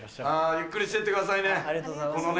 ゆっくりしてってくださいね